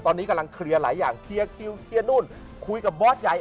ตอนนี้กำลังเคลียร์หลายอย่างเคียวนู้นคุยกับบอสใหญ่